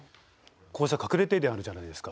こうした隠れ停電あるじゃないですか